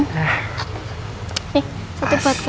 nih satu buat kamu